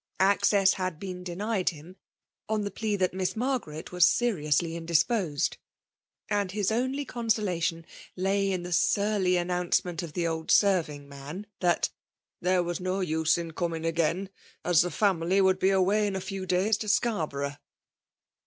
Access had been denied him, on the plea that Miss Mar garet was seriously indisposed ; and his only consolation lay in the surly announcement of the old serving man, that *' there was no use in coming again, as the family would be away in a few days to Scarborough.